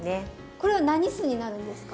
これは何酢になるんですか？